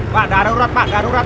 pak darurat pak darurat